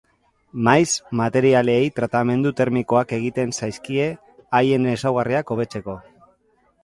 Maiz, materialei tratamendu termikoak egiten zaizkie, haien ezaugarriak hobetzeko.